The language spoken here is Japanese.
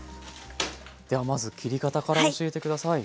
ではまず切り方から教えてください。